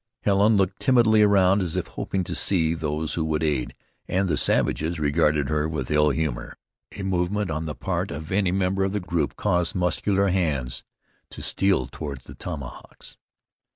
Helen looked timidly around as if hoping to see those who would aid, and the savages regarded her with ill humor. A movement on the part of any member of the group caused muscular hands to steal toward the tomahawks.